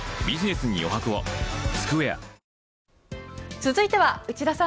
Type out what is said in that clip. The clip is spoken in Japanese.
続いては内田さん